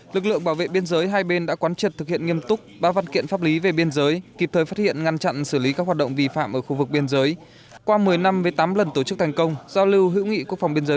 lực lượng bảo vệ biên giới hai bên đã quán trật thực hiện nghiêm túc ba văn kiện pháp lý về biên giới kịp thời phát hiện ngăn chặn xử lý các hoạt động vi phạm ở khu vực biên giới